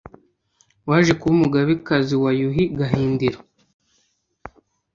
waje kuba umugabekazi wa Yuhi Gahindiro